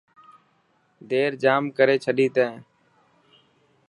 دير ڄام ڪري ڇڏي تين.